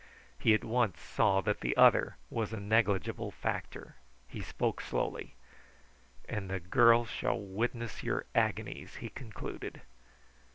He at once saw that the other was a negligible factor. He spoke slowly. "And the girl shall witness your agonies," he concluded.